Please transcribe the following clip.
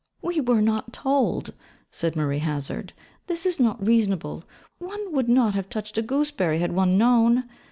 'We were not told,' said Marie Hazard; 'This is not reasonable one would not have touched a gooseberry had one known.